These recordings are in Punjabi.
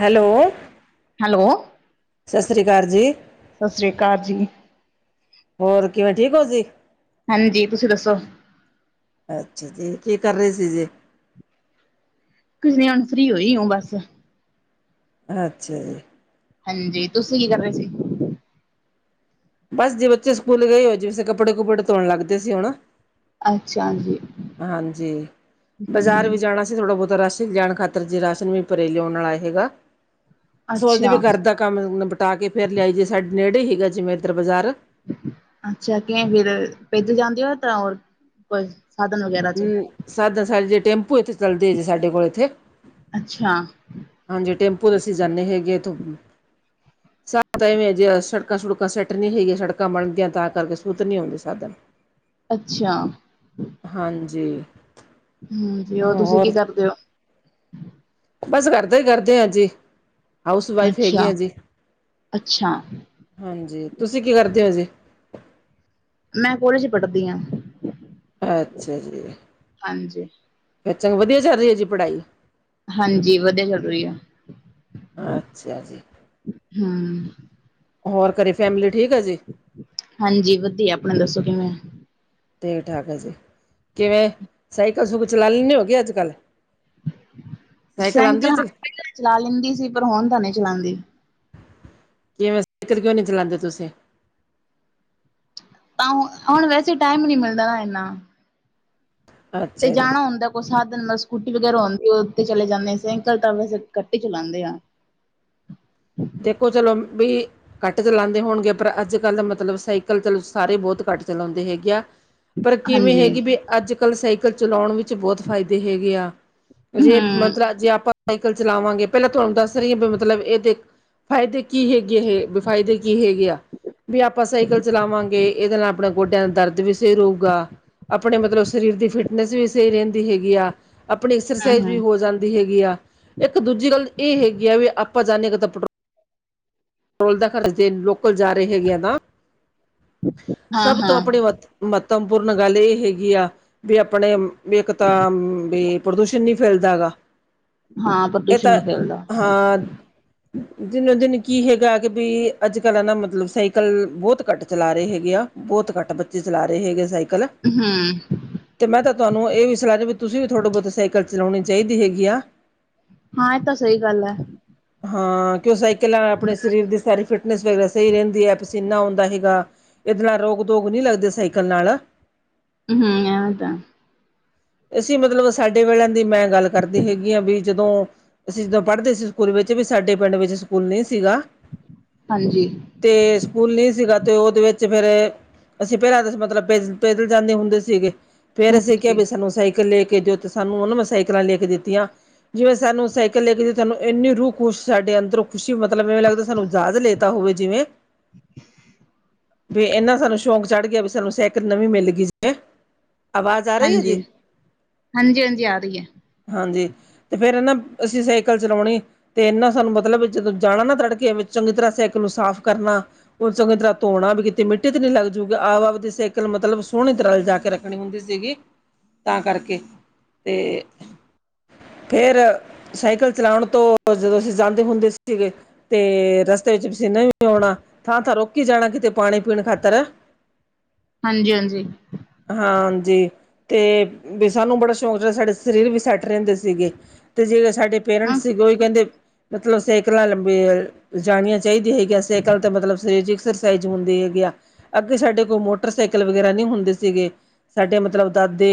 ਹੈਲੋ। ਹੈਲੋਂ। ਸਸਰੀਕਾਰ ਜੀ। ਸਾਸਰੀਕਾਲ ਜੀ। ਹੋਰ ਕਿਵੇਂ ਠੀਕ ਓ ਜੀ? ਹਾਂ ਜੀ, ਤੁਸੀ ਦੱਸੋ? ਅੱਛਾ ਜੀ, ਕੀ ਕਰ ਰਏ ਸੀ ਜੀ? ਕੁਝ ਨੀ, ਹੁਣ ਫਰੀ ਹੋਈ ਹੂ ਬੱਸ। ਆਛਿਆ ਜੀ! ਹਾਂਜੀ, ਤੁਸੀ ਕੀ ਕਰ ਰਏ ਸੀ? ਬਸ ਜੀ ਬੱਚੇ ਸਕੂਲ ਗਏ ਐ ਜੀ ਬਸ ਕੱਪੜੇ- ਕੁੱਪੜੇ ਧੋਣ ਲਗਦੇ ਸੀ ਹੁਣ। ਅੱਛਿਆਂ ਜੀ! ਹਾਂਜੀ ਬਾਜ਼ਾਰ ਵੀ ਹੂੰ ਜਾਣਾ ਸੀ ਥੋੜਾ- ਬੋਤਾ ਰਾਸ਼ਨ ਜਾਣ ਖਾਤਰ ਜੀ ਰਾਸ਼ਨ ਵੀ ਘਰੇ ਲਿਉਣ ਆਲਾ ਹੈਗਾ। ਸੋਚਦੀ ਅੱਛਾ ਵੀ ਕਰਦਾ ਕੰਮ ਨਬਟਾ ਕੇ ਫੇਰ ਲਿਆਈ ਜੇ ਸਾਡੇ ਨੇੜੇ ਸੀਗਾਂ ਜਿਵੇਂ ਇੱਧਰ ਬਜ਼ਾਰ। ਅੱਛਿਆ, ਕਿਵੇਂ ਫਿਰ ਪੈਦਅ ਜਾਂਦੀ ਓ ਤਾਂ ਓ ਸਾਧਨ ਵਗੈਰਾ ਹਮ, ਸਾਦਾ ਸਾਡੇ ਜੇ ਟੇਂਪੂ ਇੱਥੇ ਚਲਦੇ ਜੇ ਸਾਡੇ ਕੋਲ ਇੱਥੇ ਅੱਛਿਆਂ! ਹਾਂਜੀ, ਟੇਂਪੂ ਤੇ ਅਸੀਂ ਜਾਣੇ ਹੈਗੇ ਆ ਇੱਥੋਂ ਸਾਡੇ ਤਾ ਇਵੈਂ ਜੀ ਜੇ ਸੜਕਾਂ- ਸੁੜਕਾਂ ਸੈਟ ਨੀਂ ਸੀਗੀਆਂ ਸੜਕਾਂ ਬਣਗਾਈਆ ਤਾਂ ਕਰਕੇ ਸੂਤ ਨੀ ਆਉਂਦੇ ਸਾਧਨ। [inaudible] ਅੱਛਿਆਂ। ਹਾਂਜੀ। ਹਮਜੀ, ਔ ਤੁਸੀ ਹੋਰ ਕੀ ਕਰਦੇ ਓ? ਬੱਸ ਗਰਦਾਈ ਕਰਦੇ ਆਂ ਜੀ, ਹਾਊਸ ਵਾਈਫ ਅੱਛਾ ਹੇਗੇਆਂ ਜੀ। ਅੱਛਾ ਹਾਂਜੀ, ਤੁਸੀ ਕੀ ਕਰਦੇ ਓ ਜੀ? ਮੈਂ ਕੋਲਿਜ ਪੜ੍ਹਦੀ ਆ ਅੱਛਾ ਜੀ, ਚਲੋ ਵਧੀਆਂ ਚੱਲ ਰਹੀ ਏ ਜੀ ਪੜ੍ਹਾਈ ਹਾਂਜੀ, ਵਧੀਆਂ ਚਲ ਰਹੀ ਆ ਅੱਛਾ ਜੀ ਹਮ ਹੋਰ ਘਰੇ ਫੈਮਿਲੀ ਠੀਕ ਐ ਜੀ ਹਾਂਜੀ ਵਧੀਆਂ ਆਪਣੇ ਦੱਸੋਂ ਕਿਵੇਂ ਠੀਕ-ਠਾਕ ਆ ਜੀ, ਕਿਵੇਂ ਸਾਈਕਲ-ਸੁੂਕਲ ਚਲਾ ਲੈਂਣੇ ਓ ਕੇ ਅੱਜ-ਕੱਲ੍ਹ ' [inaudible] ਸੈਂਕਲ ਹਾਂ ਪਹਿਲਾਂ ਚਲਾ ਲੈਂਦੀ ਸੀ, ਪਰ ਹੁਣ ਤਾਂ ਨਹੀਂ ਚਲਾਂਦੀ ਕਿਵੇਂ, ਸਾਈਕਲ ਕਿਉਂ ਨੀ ਚਲਾਂਦੇ ਤੁਸੀਂ ਤਾਂ, ਹੁਣ ਵੈਸੇ ਟਾਈਮ ਨੀ ਮਿਲਦਾ ਨਾ ਇੰਨਾ ਤੇ ਅੱਛਾ ਜੀ ਜਾਣਾ ਹੁੰਦਾ ਕੋਈ ਸਾਧਨ ਮਤਲਬ ਸਕੂਟੀ ਵਗੈਰਾ ਹੁੰਦੀ ਉਹ ਉੱਤੇ ਚਲੇ ਜਾਣੇ ਆ ਸਾਈਕਲ ਤਾਂ ਵੈਸੇ ਘੱਟ ਈ ਚਲਾਂਦੇ ਆ ਦੇਖੋਂ ਚਲੋ ਵੀ ਘੱਟ ਚਲਾਉਂਦੇ ਹੋਣਗੇ ਪਰ ਅੱਜ-ਕੱਲ੍ਹ ਮਤਲਬ ਸਾਈਕਲ ਚੱਲ ਸਾਰੇ ਬਹੁਤ ਘੱਟ ਚਲਾਉਂਦੇ ਹੈਗੇ ਆ ਪਰ ਕਿਵੇਂ ਹਾਂਜੀ ਹੈਗੀ ਵੀ ਅੱਜ-ਕੱਲ੍ਹ ਸਾਈਕਲ ਚਲਾਉਣ ਵਿੱਚ ਬਹੁਤ ਫ਼ਾਇਦੇ ਹੈਗੇ ਆ ਹੂੰ ਜੇ ਮਤਲਬ ਜੇ ਆਪਾਂ ਸਾਈਕਲ ਚਲਾਵਾਂਗੇ ਪਹਿਲਾਂ ਤੁਹਾਨੂੰ ਦੱਸ ਰਹੀ ਆ ਵੀ ਮਤਲਬ ਇਹ ਦੇ ਫ਼ਾਇਦੇ ਕੀ ਹੈਗੇ, ਇਹ ਬ ਫ਼ਾਇਦੇ ਕੀ ਹੈਗੇ ਆ ਵੀ ਆਪਾਂ ਸਾਈਕਲ ਚਲਾਵਾਂਗੇ ਇਹਦੇ ਨਾਲ਼ ਆਪਣਾ ਗੋਡਿਆਂ ਦਾ ਦਰਦ ਵੀ ਸਹੀ ਰਹੂਗਾ, ਆਪਣੇ ਮਤਲਬ ਸਰੀਰ ਦੀ ਫਿਟਨੈਸ ਵੀ ਸਹੀ ਰਹਿੰਦੀ ਹੈਗੀ ਆ ਆਪਣੀ ਹਾਂ ਐਕਸਰਸਾਈਜ਼ ਵੀ ਹੋ ਜਾਂਦੀ ਹੈਗੀ ਆ ਇੱਕ ਦੂਜੀ ਗੱਲ ਇਹ ਹੈਗੀ ਆ, ਵੀ ਆਪਾਂ ਜਾਣੇ ਕਿ ਤਾਂ ਪੈਟ ਪੈਟਰੋਲ ਦਾ ਖ਼ਰਚੇ ਲੋਕਲ ਜਾ ਰਹੇ ਹੈਗੇ ਆ ਤਾਂ ' [inaudible] ਸਭ ਤੋਂ ਆਪਣੇ ਮਹੱਤਵ ਮਹੱਤਵਪੂਰਨ ਗੱਲ ਇਹ ਹੈਗੀ ਆ ਵੀ ਆਪਣੇ ਵੀ ਇੱਕ ਤਾਂ ਵੀ, ਪ੍ਰਦੂਸ਼ਣ ਨ੍ਹੀਂ ਫੈਲਦਾ ਗਾ, ਹਾਂ ਇਹ ਪ੍ਰਦੂਸ਼ਣ ਤਾਂ ਨਹੀਂ ਫੈਲਦਾ ਹਾਂ ਦਿਨੋ-ਦਿਨ ਕੀ ਹੈਗਾ ਕਿ ਬਈ ਅੱਜ-ਕੱਲ੍ਹ ਆ ਨਾ ਮਤਲਬ ਸਾਈਕਲ, ਬਹੁਤ ਘੱਟ ਚੱਲਾ ਰਹੇ ਹੈਗੇ ਆ, ਬਹੁਤ ਘੱਟ ਬੱਚੇ ਚੱਲਾ ਰਹੇ ਹੈਗੇ ਆ ਸਾਈਕਲ ਹਮ। ਤੇ ਮੈਂ ਤਾਂ ਤੁਹਾਨੂੰ ਇਹ ਵੀ ਸਲਾਹ ਦ ਵੀ ਤੁਸੀਂ ਵੀ ਥੋੜ੍ਹੇ ਬਹੁਤ ਸਾਈਕਲ ਚਲਾਉਣੀ ਚਾਹੀਦੀ ਹੈਗੀ ਆ ਹਾਂ, ਇਹ ਤਾਂ ਸਹੀ ਗੱਲ ਐ ਹਾਂ, ਕਿ ਉਹ ਸਾਈਕਲਾਂ ਨਾਲ਼ ਸਰੀਰ ਦੀ ਫਿਟਨੈਸ ਵਗੈਰਾ ਸਹੀ ਰਹਿੰਦੀ ਐ ਪਸੀਨਾ ਆਉਂਦਾ ਹੈਗਾ ਇਹਦੇ ਨਾਲ਼ ਰੋਗ-ਧੋਗ ਨੀ ਲੱਗਦੇ ਸਾਈਕਲ ਨਾਲ਼ ਹੂੰ ਐਵੇਂ ਤਾਂ ਅਸੀਂ ਮਤਲਬ ਸਾਡੇ ਵੇਲਿਆਂ ਦੀ ਮੈਂ ਗੱਲ ਕਰਦੀ ਹੈਗੀ ਆ ਵੀ ਜਦੋਂ, ਅਸੀਂ ਜਦੋਂ ਪੜ੍ਹਦੇ ਸੀ ਸਕੂਲ ਵਿੱਚ ਵੀ ਸਾਡੇ ਪਿੰਡ ਵਿੱਚ ਸਕੂਲ ਨਹੀਂ ਸੀਗਾ ਹਾਂਜੀ। ਤੇ ਸਕੂਲ ਨੀਂ ਸੀਗਾ ਤੇ ਉਹਦੇ ਵਿੱਚ ਫੇ਼ਰ, ਅਸੀਂ ਭੇਰਾਂ ਦੇ ਮਤਲਬ ਪ ਪੈਦਲ ਜਾਂਦੇ ਹੁੰਦੇ ਸੀਗੇ ਫ਼ੇਰ ਅਸੀਂ ਕਿਹਾ ਹਾਂਜੀ ਵੀ ਸਾਨੂੰ ਸਾਈਕਲ ਲੈ ਕੇ ਦਿਉ ਤੇ ਸਾਨੂੰ ਉਹਨਾਂ ਮੈਂ ਸਾਈਕਲਾਂ ਲੈ ਕੇ ਦਿੱਤੀਆਂ ਜਿਵੇਂ ਸਾਨੂੰ ਸਾਈਕਲ ਲੈ ਕੇ ਤੁਹਾਨੂੰ ਇੰਨੀ ਰੂਹ ਖੁਸ਼ ਸਾਡੇ ਅੰਦਰੋਂ ਖੁਸ਼ੀ ਮਤਲਬ ਮਵੇਂ ਲੱਗਦਾ ਸਾਨੂੰ ਜਾਜ਼ ਲੈਤਾ ਹੋਵੇ ਜਿਵੇਂ ਵੀ ਇਹਨਾਂ ਸਾਨੂੰ ਸ਼ੌਂਕ ਚੜ ਗਿਆ ਵੀ ਸਾਨੂੰ ਸੈਕਲ ਨਵੀਂ ਮਿਲ ਗਈ ਸੀ ਆਵਾਜ਼ ਆ ਹੈ ਜੀ ਹਾਂਜੀ ਹਾਂਜੀ ਹਾਂਜੀ ਆ ਰਹੀ ਹੈ ਹਾਂਜੀ ਤੇ ਫੇ਼ਰ ਹੈ ਨਾ ਅਸੀਂ ਸਾਈਕਲ ਚਲਾਉਣੀ ਤੇ ਇਹਨਾਂ ਸਾਨੂੰ ਮਤਲਬ ਜਦੋਂ ਜਾਣਾ ਨਾ ਤੜਕੇ ਵਿੱਚ ਚੰਗੀ ਤਰ੍ਹਾਂ ਸੈਕਲ ਨੂੰ ਸਾਫ਼ ਕਰਨਾ ਉਹ ਚੰਗੀ ਤਰ੍ਹਾਂ ਧੋਣਾ ਵੀ ਕੀਤੀ ਮਿੱਟੀ ਤੇ ਨਹੀਂ ਲੱਗ ਜੂਗੀ ਆਪ ਆਪਦੀ ਸਾਈਕਲ ਮਤਲਬ ਸੋਹਣੀ ਤਰ੍ਹਾਂ ਜਾ ਕੇ ਰੱਖਣੀ ਹੁੰਦੀ ਸੀਗੀ ਤਾਂ ਕਰਕੇ ਤੇ ਫ਼ੇਰ ਸਾਈਕਲ ਚਲਾਣ ਤੋਂ ਜਦੋਂ ਅਸੀਂ ਜਾਂਦੇ ਹੁੰਦੇ ਸੀਗੇ ਤੇ ਰਸਤੇ ਵਿੱਚ ਪਸੀਨੇ ਨੇ ਵੀ ਆਉਣਾ ਥਾਂ- ਥਾਂ ਰੋਕੀ ਜਾਣਾ ਕਿਤੇ ਪਾਣੀ- ਪੀਣ ਖਾਤਰ ਹਾਂਜੀ, ਹਾਂਜੀ। ਹਾਂਜੀ। ਤੇ ਵੀ ਸਾਨੂੰ ਬੜਾ ਸ਼ੌਂਕ ਜਿਹੜਾ ਸਾਡੇ ਸਰੀਰ ਵੀ ਸੈੱਟ ਰਹਿੰਦੇ ਸੀਗੇ। ਅਤੇ ਜੇ ਸਾਡੇ ਹਾਂ ਪੇਰੈਂਟਸ ਸੀਗੇ ਉਹੀ ਕਹਿੰਦੇ, ਮਤਲਬ ਸਾਈਕਲਾਂ ਲੰਬੀਆਂ ਜਾਣੀਆਂ ਚਾਹੀਦੀ ਹੈਗੀਆ, ਸਾਈਕਲ ਤਾਂ ਮਤਲਬ ਸਰੀਰਕ ਐਕਸਰਸਾਈਜ਼ ਹੁੰਦੀ ਹੈਗੀ ਆ, ਅੱਗੇ ਸਾਡੇ ਕੋਲ ਮੋਟਰਸਾਈਕਲ ਵਗੈਰਾ ਨਹੀਂ ਹੁੰਦੇ ਸੀਗੇ। ਸਾਡੇ ਮਤਲਬ ਦਾਦੇ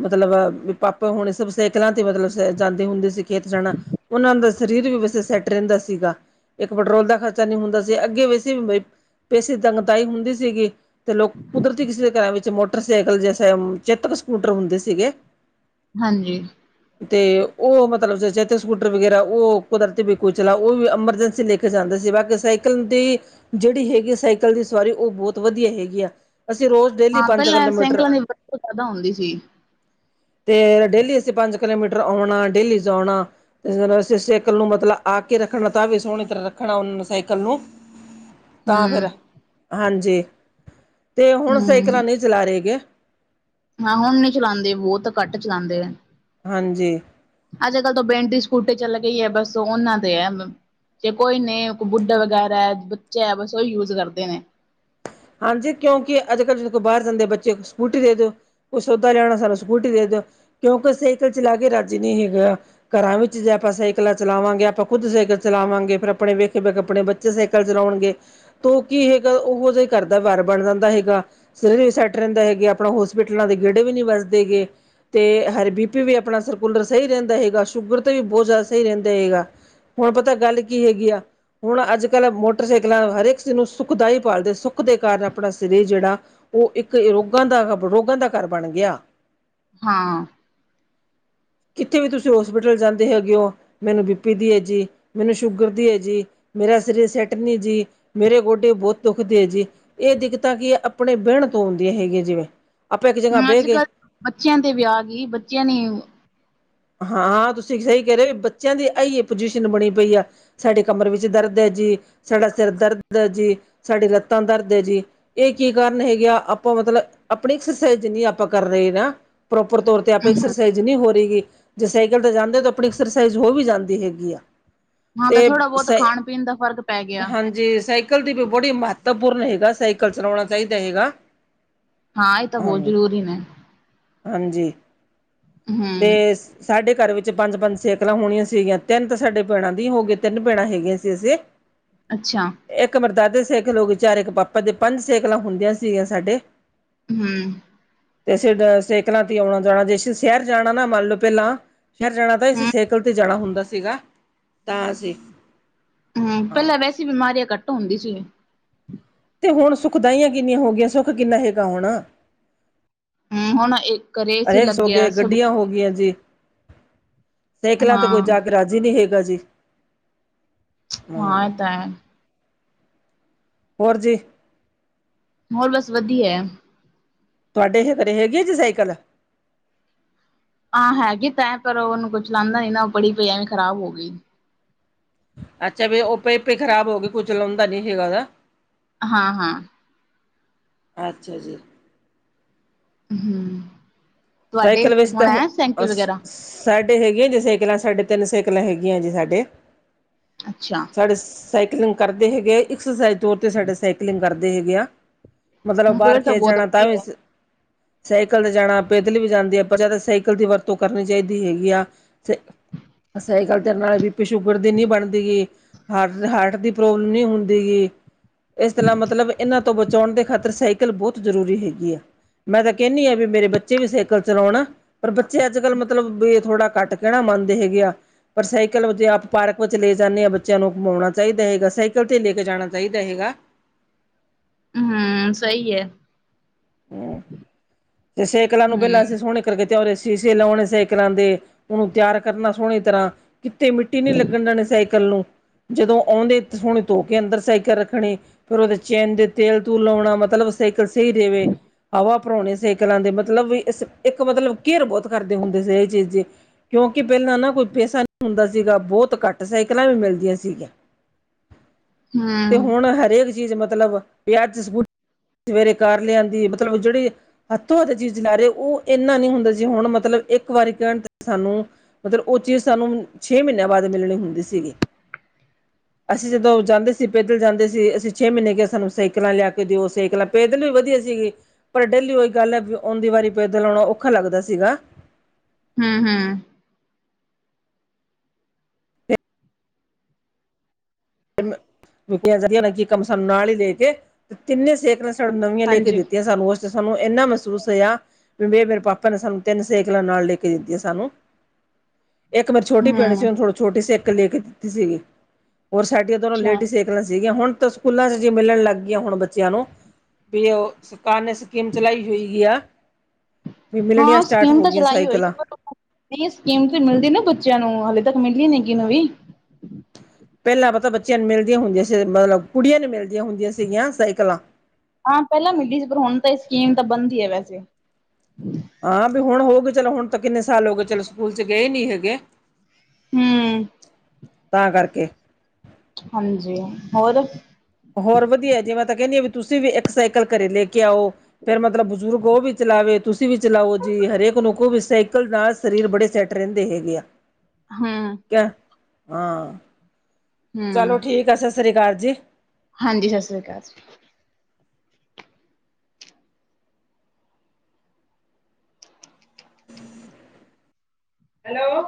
ਮਤਲਬ ਪਾਪਾ ਹੁਣੇ ਸਭ ਸਾਈਕਲਾਂ ਤੇ ਮਤਲਬ ਜਾਂਦੇ ਹੁੰਦੇ ਸੀ ਖੇਤ ਜਾਣਾ ਉਹਨਾਂ ਦਾ ਸਰੀਰ ਵੀ ਵੈਸੇ ਸੈੱਟ ਰਹਿੰਦਾ ਸੀਗਾ [inaudible] ਇੱਕ ਪੈਟਰੋਲ ਦਾ ਖਰਚਾ ਨਹੀਂ ਹੁੰਦਾ ਸੀ ਅੱਗੇ ਵੈਸੇ ਵੀ ਪੈਸੇ ਤੰਗਦਾਈ ਹੁੰਦੀ ਸੀਗੀ ਤੇ ਲੋਕ ਕੁਦਰਤੀ ਕਿਸੇ ਦੇ ਘਰਾਂ ਵਿੱਚ ਮੋ ਮੋਟਰਸਾਈਕਲ ਜਸੇ ਚੇਤਕ ਸਕੂਟਰ ਹੁੰਦੇ ਸੀਗੇ। ਹਾਂਜੀ। [inaudible] ਤੇ ਉਹ ਮਤਲਬ ਚੇਤਕ ਸਕੂਟਰ ਵਗੈਰਾ ਉਹ ਕੁਦਰਤੀ ਵੀ ਕੋਈ ਚਲਾ ਉਹ ਵੀ ਐਮਰਜੈਂਸੀ ਲੈ ਜਾਂਦੇ ਸੀ ਬਾਕੀ ਸਾਈਕਲ ਦੀ ਜਿਹੜੀ ਹੈਗੀ ਸਾਈਕਲ ਦੀ ਸਵਾਰੀ ਉਹ ਬਹੁਤ ਵਧੀਆ ਹੈਗੀ ਆ। ਅਸੀਂ ਰੋਜ਼ ਡੇਲੀ ਹਾਂ ਪੰਜ- ਪਹਿਲਾਂ ਕਿਲੋਮੀਟਰ। ਸਾਈਕਲਾਂ ਦੀ ਵਰਤੋਂ ਜ਼ਿਆਦਾ ਹੁੰਦੀ ਸੀ ਤੇ ਡੇਲੀ ਅਸੀਂ ਪੰਜ ਕਿਲੋਮੀਟਰ ਆਉਣਾ ਡੇਲੀ ਚ ਜਾਣਾ। ਤੇ ਸਾਈਕਲ ਨੂੰ ਮਤਲਬ ਆ ਕੇ ਰੱਖਣਾ ਤਾਂ ਵੀ ਸੋਹਣੀ ਤਰ੍ਹਾਂ ਰੱਖਣਾ ਉਹਨਾਂ ਨੇ ਸਾਈਕਲ ਨੂੰ ਤਾਂ ਹੂੰ ਫਿਰ ਹਾਂਜੀ ਤੇ ਹੁਣ ਸਾਈਕਲਾਂ ਹੂੰ ਨਹੀਂ ਚਲਾ ਰਹੇ ਗੇ। ਹਾਂ ਹੁਣ ਨੀ ਚਲਾਉਂਦੇ ਬਹੁਤ ਘੱਟ ਚਲਾਉਂਦੇ ਐ। ਹਾਂਜੀ। ਅੱਜ- ਕੱਲ੍ਹ ਤੋਂ ਬੈਟਰੀ ਦੀ ਸਕੂਟੀ ਚੱਲ ਗਈ ਹੈ ਬਸ ਉਹਨਾਂ ਦੇ ਹੈ। ਜੇ ਕੋਈ ਨੇਈ ਬੁੱਡਾ ਵਗੈਰਾ ਬੱਚਾ ਹੈ ਬਸ ਉਹੀ ਯੂਜ ਕਰਦੇ ਨੇ। ਹਾਂਜੀ ਕਿਉਂਕਿ ਅੱਜ- ਕੱਲ੍ਹ ਜਦ ਕੋਲ ਬਾਹਰ ਜਾਂਦੇ ਬੱਚੇ ਸਕੂਟੀ ਦੇ ਦਿਓ। ਕੁਈ ਸੌਦਾ ਲਿਆਉਣਾ ਸਾਨੂੰ ਸਕੂਟੀ ਦੇ ਦਿਓ, ਕਿਉਂਕਿ ਸਾਈਕਲ ਚਲਾ ਕੇ ਰਾੱਜੀ ਨਹੀਂ ਹੈਗਾ। ਘਰਾਂ ਵਿੱਚ ਜੇ ਆਪਾਂ ਸਾਈਕਲਾਂ ਚਲਾਵਾਂਗੇ ਆਪਾਂ ਖੁੱਦ ਸਾਈਕਲ ਚਲਾਵਾਂਗੇ ਫੇਰ ਆਪਣੇ ਵੇਖੇ- ਵੇਖ ਆਪਣੇ ਬ ਸਾਈਕਲ ਚਲਾਉਣਗੇ ਤਾਂ ਉਹ ਕੀ ਹੈਗਾ ਉਹੋ ਜਿ ਘਰ ਦਾ ਵਾਰ ਬਣ ਜਾਂਦਾ ਹੈਗਾ ਸਵੇਰੇ ਵੀ ਸੈੱਟ ਰਹਿੰਦਾ ਹੈਗੇ ਆਪਣਾ ਹੋਸਪਿਟਲਾਂ ਦੇ ਗੇੜੇ ਵੀ ਨਹੀਂ ਵਸਜੇਗੇ ਅਤੇ ਹੈਰ ਬੀ ਪੀ ਵੀ ਆਪਣਾ ਸਰਕੂਲਰ ਸਹੀ ਰਹਿੰਦਾ ਹੈਗਾ ਸ਼ੂਗਰ ਤਾਂ ਵੀ ਬਹੁਤ ਜ਼ਿਆਦਾ ਸਹੀ ਰਹਿੰਦਾ ਹੈਗਾ। ਹੁਣ ਪਤਾ ਗੱਲ ਕੀ ਹੈਗੀ ਆ ਹੁਣ ਅੱਜ- ਕੱਲ੍ਹ ਮੋਟਰਸਾਈਕਲਾਂ ਹਰੇਕ ਚੀਜ਼ ਨੂੰ ਸੁੱਖਦਾਈ ਪਾਲਦੇ ਸੁੱਖ ਸੁਖ ਦੇ ਕਾਰਨ ਆਪਣਾ ਸਰੀਰ ਜਿਹੜਾ ਉਹ ਇੱਕ ਰੋਗਾਂ ਦਾ ਰੋਗਾਂ ਦਾ ਘਰ ਬਣ ਗਿਆ। ਹਾਂ। ਕਿੱਥੇ ਵੀ ਤੁਸੀਂ ਹੋਸਪਿਟਲ ਜਾਂਦੇ ਹੈਗੇ ਹੋ ਮੈਨੂੰ ਬੀਪੀ ਦੀ ਹੈ ਜੀ ਮੈਨੂੰ ਸ਼ੂਗਰ ਦੀ ਹੈ ਜੀ। ਮੇਰਾ ਸਰੀਰ ਸੈੱਟ ਨਹੀਂ ਜੀ ਮੇਰੇ ਗੋਡੇ ਬਹੁਤ ਦੁੱਖ ਦੇ ਜੀ ਇਹ ਦਿੱਕਤਾਂ ਕੀ ਆਪਣੇ ਬਹਿਣ ਤੋਂ ਆਉਂਦੀਆਂ ਹੈਗੀਆਂ ਜਿਵੇਂ ਆਪਾਂ ਇੱਕ ਜਗ੍ਹਾ ਬਹਿ ਅੱਜ- ਗਏ ਕੱਲ ਬੱਚਿਆਂ ਤੇ ਵਿਆਹ ਗਈ ਬੱਚਿਆਂ ਨੇ ਹਾਂ ਤੁਸੀਂ ਸਹੀ ਕਹਿ ਰਹੇ ਹੋ ਵੀ ਬੱਚਿਆਂ ਦੀ ਅਈ ਪੁਜੀਸ਼ਨ ਬਣੀ ਪਈ ਆ। ਸਾਡੇ ਕਮਰ ਵਿੱਚ ਦਰਦ ਐ ਜੀ, ਸਾਡਾ ਸਿਰ ਦਰਦ ਆ ਜੀ, ਸਾਡੀ ਲੱਤਾਂ ਦਰਦ ਆ ਜੀ। ਇਹ ਕੀ ਕਾਰਨ ਹੈਗੇ ਆ ਆਪਾਂ ਮਤਲਬ ਆਪਣੀ ਐਕਸਰਸਾਈਜ਼ ਜਿੰਨੀ ਆਪਾਂ ਕਰ ਰਹੇ ਨਾ ਪ੍ਰੋਪਰ ਤੌਰ ਤੇ ਆਪੇ ਐਕਸਰਸਾਈਜ਼ ਨਹੀਂ ਹੋ ਰਹੀਗੀ, ਜੇ ਸਾਈਕਲ ਤੇ ਜਾਂਦੇ ਓ ਆਪਣੀ ਐਕਸਰਸਾਈਜ਼ ਹੋ ਵੀ ਜਾਂਦੀ ਹੈਗੀ ਆ। ਹਾਂ ਤਾਂ ਤੇ ਥੋੜਾ ਬਹੁਤ ਸਾਈਕਲ ਖਾਣ ਪੀਣ ਦਾ ਫ਼ਰਕ ਪੈ ਗਿਆ ਹਾਂਜੀ ਸਾਈ ਸਾਈਕਲ ਦੀ ਬੜੀ ਮਹੱਤਵਪੂਰਨ ਹੈਗਾ ਸਾਈਕਲ ਚਲਾਉਣਾ ਚਾਹੀਦਾ ਹੈਗਾ। ਹਾਂ ਇਹ ਤਾਂ ਬਹੁਤ ਜ਼ਰੂਰੀ ਨੇ। ਹਾਂਜੀ, ਹਮ ਦੇਸ ਸਾਡੇ ਘਰ ਵਿੱਚ ਪੰਜ-ਪੰਜ ਸੇਕਲਾਂ ਹੋਣੀਆਂ ਸੀਗੀਆਂ ਤਿੰਨ ਤਾਂ ਸਾਡੇ ਭੈਣਾਂ ਦੀ ਹੋ ਗਈਆਂ, ਤਿੰਨ ਭੈਣਾਂ ਹੈਗੀਆਂ ਸੀ ਅਸੀਂ [inaudible] ਅੱਛਾ। ਇੱਕ ਮੇਰੇ ਦਾਦੇ ਦੀ ਸਾਈਕਲ ਹੋਗੀ ਚਾਰ ਇੱਕ ਪਾਪਾ ਦੀ ਪੰਜ ਸਾਈਕਲਾਂ ਹੁੰਦੀਆਂ ਸੀਗੀਆਂ ਸਾਡੇ। ਹਮ ਤੇ ਅਸੀ ਸੇਕਲਾਂ ਤੇ ਆਉਣਾ ਜਾਣਾ ਜੇ ਅਸੀ ਸ਼ਹਿਰ ਜਾਣਾ ਨਾ ਮੰਨ ਲਓ ਪਹਿਲਾਂ ਸ਼ਹਿਰ ਜਾਣਾ ਤਾਂ ਅਸੀਂ ਹਮ ਸਾਈਕਲ ਤੇ ਜਾਣਾ ਹੁੰਦਾ ਸੀਗਾ ਤਾਂ ਅਸੀਂ। ਹਮ, ਹਾਂ ਪਹਿਲਾਂ ਵੈਸੇ ਬਿਮਾਰੀਆਂ ਘੱਟ ਹੁੰਦੀ ਸੀ। ਤੇ ਹੁਣ ਸੁਖਦਾਈਆਂ ਕਿੰਨੀਆਂ ਹੋ ਗਈਆਂ ਸੁੱਖ ਕਿੰਨਾ ਹੈਗਾ ਹੋਣਾ। ਹਮ ਹੁਣ ਇੱਕ ਰੇਸ ਹੀ ਅਨੇਕ ਸੌ ਲੱਗਿਆ ਗਏ ਸਭ ਗੱਡੀਆਂ ਹੋ ਗਈਆਂ ਜੀ। ਸਾਈਕਲਾਂ ਤੇ ਕੋਈ ਹਾਂ ਜਾ ਕੇ ਰਾਜ਼ੀ ਨਹੀਂ ਹੈਗਾ ਜੀ। ਹਾਂ ਹੂੰ ਇਹ ਤਾਂ ਹੈ। ਹੋਰ ਜੀ। ਹੋਰ ਬਸ ਵਧੀਆ। ਤੁਹਾਡੇ ਇਹ ਘਰੇ ਹੈਗੇ ਸਾਈਕਲ? ਆਹ ਹੈਗੇ ਤਾਂ ਪਰ ਉਹਨੂੰ ਕੋਈ ਚਲਾਉਂਦਾ ਨੀ ਨਾ ਉਹ ਬੜੀ ਪਈ ਐਵੇਂ ਖਰਾਬ ਹੋ ਗਈ। ਅੱਛਾ, ਵੀ ਉਹ ਪਈ- ਪਈ ਖਰਾਬ ਹੋਗੀ ਕੋਈ ਚਲਾਉਂਦਾ ਨੀ ਹੈਗਾ ਗਾ। ਹਾਂ-ਹਾਂ। ਅੱਛਾ ਜੀ। ਹਮ ਸਾਈਕਲ ਵੈਸੇ ਤਾਂ ਹੁ ਸੀ-ਸੀ ਵਗੈਰਾ ਸਾਡੇ ਹੈਗੀਆਂ ਜੀ ਸਾਈਕਲਾਂ ਸਾਡੇ ਤਿੰਨ ਸਾਈਕਲਾਂ ਹੈਗੀਆਂ ਜੀ ਸਾਡੇ। ਅੱਛਿਆ! ਸਾਡੇ ਸਾਈਕਲਿੰਗ ਕਰਦੇ ਹੈਗੇ, ਐਕਸਰਸਾਈਜ਼ ਤੌਰ ਤੇ ਸਾਡੇ ਸਾਈਕਲਿੰਗ ਕਰਦੇ ਹੈਗੇ ਆ। ਮਤਲਬ ਬਾਹਰ ਫੇਰ ਖੇਤ ਬਹੁਤ ਜਾਣਾ ਤਾਂ ਵੀ ਵਧੀਆ ਸਾਈਕਲ ਤੇ ਜਾਣਾ। ਪੈਦਲ ਵੀ ਜਾਂਦੇ ਆ ਪਰ ਜਿਆਦਾ ਸਾਈਕਲ ਦੀ ਵਰਤੋਂ ਕਰਨੀ ਚਾਹੀਦੀ ਹੈਗੀ ਆ। ਸਾਈਕਲ ਚੱਲ ਨਾਲੇ ਬੀ ਪੀ, ਸ਼ੂਗਰ ਦੀ ਨਹੀਂ ਬਣਦੀ ਗਈ ਹਾਰਟ-ਹਾਰਟ ਦੀ ਪ੍ਰੋਬਲਮ ਨਹੀਂ ਹੁੰਦੀ ਗੀ। ਇਸ ਤਰ੍ਹਾਂ ਮਤਲਬ ਇਹਨਾਂ ਤੋਂ ਬਚਾਉਣ ਦੇ ਖਾਤਰ ਸਾ ਬਹੁਤ ਜ਼ਰੂਰੀ ਹੈਗੀ ਆ ਮੈਂ ਤਾਂ ਕਹਿਨੀ ਹਾਂ ਵੀ ਮੇਰੇ ਬੱ ਬੱਚੇ ਵੀ ਸਾਈਕਲ ਚਲਾਉਣਾ ਪਰ ਬੱਚੇ ਅੱਜ-ਕੱਲ੍ਹ ਮਤਲਬ ਕਿ ਥੋੜਾ ਕੱਟ ਕਹਿਣਾ ਮੰਨਦੇ ਹੈਗੇ ਆ। ਪਰ ਸਾਈਕਲ ਜੇ ਆਪ ਪਾਰਕ ਵਿੱਚ ਲੈ ਜਾਂਦੇ ਹਾਂ ਬੱਚਿਆਂ ਨੂੰ ਘੁੰਮਾਉਣਾ ਚਾਹੀਦਾ ਹੈਗਾ, ਸਾਈਕਲ ਤੇ ਲੈ ਕੇ ਜਾਣਾ ਚਾਹੀਦਾ ਹੈਗਾ। ਹਮ, ਸਹੀ ਏ। ਤੇ ਸੇਕਲਾਂ ਨੂੰ ਪਹਿਲਾਂ ਅਸੀਂ ਸੋਹਣੇ ਫਿਰ ਕੀਜੋਰੇ ਸ਼ੀਸ਼ੇ ਲਾਉਣੇ ਸਾਈਕਲਾ ਦੇ ਉਹਨੂੰ ਤਿਆਰ ਕਰਨਾ ਸੋਹਣੀ ਤਰ੍ਹਾਂ। ਕਿਤੇ ਮਿੱਟੀ ਨਹੀਂ ਲੱਗਣ ਦੇਣੀ ਸਾਈਕਲ ਨੂੰ ਜਦੋਂ ਆਉਦੇ ਸੋਹਣੇ ਧੋ ਕੇ ਅੰਦਰ ਸਾਈਕਲ ਰੱਖਣੇ। ਫਿਰ ਉਹਦੇ ਚੈਨ ਦੇ ਤੇਲ-ਤੂਲ ਲਾਉਣਾ ਮਤਲਬ ਸਾਈਕਲ ਸਹੀ ਰਵੇ। ਹਵਾ ਭਰਾਉਣੇ ਸਾਈਕਲਾਂ ਦੇ ਮਤਲਬ, ਇਸ ਇੱਕ ਮਤਲਬ ਕੇਅਰ ਬਹੁਤ ਕਰਦੇ ਹੁੰਦੇ ਸੀ, ਇਹ ਚੀਜ਼ ਦੀ। ਕਿਉਂਕਿ ਪਹਿਲਾਂ ਨਾ ਕੋਈ ਪੈਸਾ ਨਹੀਂ ਹੁੰਦਾ ਸੀਗਾ, ਬਹੁਤ ਘੱਟ ਸਾਈਕਲਾਂ ਵੀ ਮਿਲਦੀਆਂ ਸੀਗੀਆਂ। [inaudible] ਤੇ ਹੂੰ-ਹੂੰ-ਹੂੰ-ਹੂੰ ਹੁਣ ਹਰੇਕ ਚੀਜ਼ ਮਤਲਬ, ਵਿਆਹ 'ਚ ਸਕੂ, ਸਵੇਰੇ ਕਾਰ ਲਿਆਂਂਦੀ। ਮਤਲਬ ਜਿਹੜੀ ਹੱਥੋਂ ਹੱਥ ਚੀਜ਼ ਲ ਰਹੇ, ਉਹ ਇੰਨਾ ਨੀ ਹੁੰਦਾ ਜੇ ਹੁਣ ਮਤਲਬ, ਇੱਕ ਵਾਰੀ ਕਹਿਣ ਤੇ ਸਾਨੂੰ ਮਤਲਬ ਉਹ ਚੀਜ਼ ਸਾਨੂੰ, ਛੇ ਮਹੀਨਿਆਂ ਬਾਅਦ ਮਿਲਣੀ ਹੁੰਦੀ ਸੀਗੀ। ਅਸੀਂ ਜਦੋਂ ਜਾਂਦੇ ਸੀ, ਪੈਦਲ ਜਾਂਦੇ ਸੀ।, ਅਸੀਂ ਛੇ ਮਹੀਨੇ ਕਿਹਾ, ਸਾਨੂੰ ਸਾਈਕਲਾਂ ਲਿਆ ਕੇ ਦਿਓ, ਸਾਈਕਲਾਂ। ਪੈਦਲ ਵੀ ਵਧੀਆ ਸੀਗੀ, ਪਰ ਡੇਲੀ ਉਹੀ ਗੱਲ ਏ ਵੀ, ਆਉਂਦੀ ਵਾਰੀ ਪੈਦਲ ਆਉਣਾ, ਔਖਾ ਲੱਗਦਾ ਸੀਗਾ। ਹਮ- ਹਮ। ਕੀਆਂ ਜਾਂਦੀਆਂ ਕਮਸਮ ਨਾਲ ਹੀ ਲੈ ਕੇ, ਤਿੰਨੇ ਸੇਕਲਾ ਨਵੀਆਂ ਲੈ ਕੇ ਹਾਂਜੀ ਹੂੰ ਦਿੱਤੀਆਂ ਸਾਨੂੰ, ਉਹ ਸਾਨੂੰ ਇੰਨਾ ਮਹਿਸੂਸ ਹੋਇਆ, ਵੀ ਮੇਰੇ ਪਾਪਾ ਨੇ ਸਾਨੂੰ ਤਿੰਨ ਸੇਕਲਾਂ ਨਾਲ ਲੈ ਕੇ ਦਿੱਤੀਆਂ ਸਾਨੂੰ। ਇੱਕ ਮੇਰੀ ਛੋਟੀ ਭੈਣੀ ਸੀ, ਉਹਨੂੰ ਥੋੜ ਛੋਟੀ ਸਾਇਕਲ ਲੈ ਕੇ ਦਿੱਤੀ ਸੀਗੀ। ਔਰ ਸਾਡੀਆਂ ਦਨੋਂ ਅੱਛਾ ਲੇਡੀਜ਼ ਸਾਈਕਲਾਂ ਸੀਗੀਆਂ, ਹੁਣ ਤਾਂ ਸਕੂਲਾਂ 'ਚ ਮਿਲਣ ਲੱਗ ਗਈਆਂ, ਹੁਣ ਬ ਬੱਚਿਆਂ ਨੂੰ, ਵੀ ਉਹ ਸਰਕਾਰ ਨੇ ਸਕੀਮ ਚਲਾਈ ਹੋਏਗੀ ਆ, ਵੀ ਮਿਲਣੀਆਂ ਸਟਾਰਟ ਹੋ ਗਈਆਂ ਸਾਈਕਲਾਂ ਇਹ ਸਕੀਮ ਤੇ ਮਿਲਦੀ ਨਾ ਬੱਚਿਆਂ ਨੂੰ, ਹਾਲੇ ਤੱਕ ਮਿਲੀ ਨੀਗੀ ਕਿਸੇ ਨੂੰ ਵੀ। ਪਹਿਲਾਂ ਪਤਾ ਬੱਚਿਆਂ ਨੂੰ ਮਿਲਦੀਆਂ ਹੁੰਦੀਆਂ ਸੀ। ਮਤਲਬ ਕੁੜੀਆਂ ਨੂੰ ਮਿਲਦੀਆਂ ਹੁੰਦੀਆਂ ਸੀਗੀਆਂ, ਸਾਈਕਲਾਂ। ਹਾਂ ਪਹਿਲਾਂ ਮਿਲੀ ਸੀ। ਪਰ ਹੁਣ ਤਾਂ ਸਕੀਮ ਤਾਂ ਬੰਦ ਹੀ ਹੈ ਵੈਸੇ। ਹਾਂ ਵੀ ਹੁਣ ਹੋ ਗਏ ਚਲੋ, ਹੁਣ ਤਾਂ ਕਿੰਨੇ ਸਾਲ ਹੋ ਗਏ ਚਲੋ ਸਕੂਲ ਚ ਗਏ ਨੀ ਹੈਗੇ। ਹਮ। ਤਾਂ ਕਰਕੇ। ਹਾਂਜੀ, ਹੋਰ। ਹੋਰ ਵਧੀਆ, ਜਿਵੇਂ ਤਾਂ ਕਹਿੰਦੀ ਆ ਵੀ ਤੁਸੀਂ ਵੀ ਇੱਕ ਸਾਈਕਲ ਘਰੇ ਲੈ ਕੇ ਆਓ। ਫੇਰ ਮਤਲਬ ਬਜ਼ੁਰਗ ਉਹ ਵੀ ਚਲਾਵੇ। ਤੁਸੀਂ ਵੀ ਚਲਾਓ ਜੀ। ਹਰੇਕ ਨੂੰ ਕਹੋ ਸਾਈਕਲ ਨਾਲ ਸਰੀਰ ਬੜੇ ਸੈੱਟ ਰਹਿੰਦੇ ਹੈਗੇ ਆ। ਹਮ। ਹਾਂ, ਚਲੋ ਹੂੰ-ਹੂੰ ਠੀਕ ਹੈ, ਸਤਿ ਸ਼੍ਰੀ ਅਕਾਲ ਜੀ। ਹਾਜੀ, ਸਤਿ ਸ਼੍ਰੀ ਅਕਾਲ ਜੀ। ਹੈਲੋ।